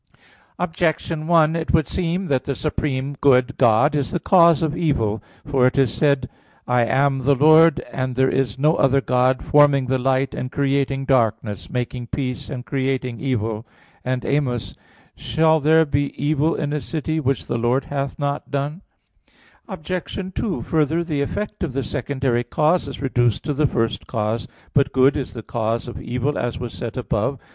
Objection 1: It would seem that the supreme good, God, is the cause of evil. For it is said (Isa. 45:5,7): "I am the Lord, and there is no other God, forming the light, and creating darkness, making peace, and creating evil." And Amos 3:6, "Shall there be evil in a city, which the Lord hath not done?" Obj. 2: Further, the effect of the secondary cause is reduced to the first cause. But good is the cause of evil, as was said above (A. 1).